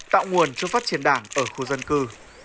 tạo nguồn cho phát triển đảng ở khu dân cư